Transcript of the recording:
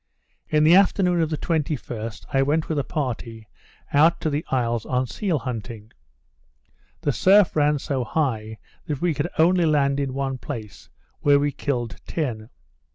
In the afternoon of the 21st, I went with a party out to the isles on seal hunting. The surf ran so high that we could only land in one place, where we killed ten.